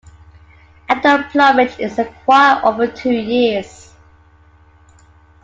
Adult plumage is acquired over two years.